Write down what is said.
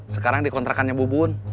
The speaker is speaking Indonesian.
sekarang dikontrakannya bu bun